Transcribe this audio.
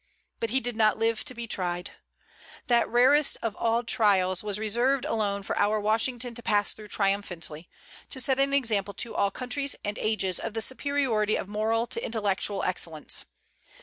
But he did not live to be tried. That rarest of all trials was reserved alone for our Washington to pass through triumphantly, to set an example to all countries and ages of the superiority of moral to intellectual excellence.